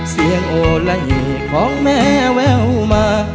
เสียงโอละหิของแม่แววมา